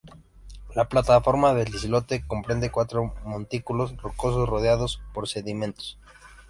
La plataforma del islote comprende cuatro montículos rocosos, rodeados por sedimentos.